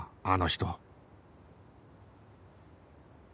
あの人